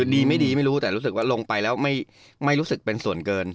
ดีไม่ดีไม่รู้แต่รู้สึกว่าลงไปแล้วไม่รู้สึกเป็นส่วนเกิน